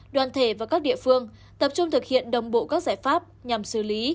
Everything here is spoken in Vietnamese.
đoàn thể và các địa phương tập trung thực hiện đồng bộ các giải pháp nhằm xử lý